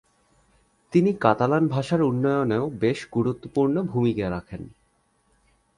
তিনি কাতালান ভাষার উন্নয়নেও বেশ গুরুত্বপূর্ণ ভূমিকা রাখেন।